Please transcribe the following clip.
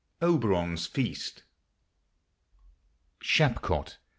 OBERON'S FEAST. Shapcot